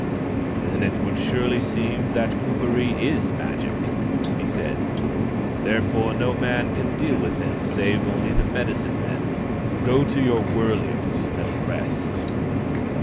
" Then it would surely seem that Kuperee is Magic," he said. " Therefore no man can deal with him, save only the medicine men. Go to your wurleys and rest."